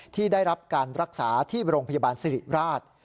ที่ได้รับการรักษาที่โรงพยาบาลสิริราช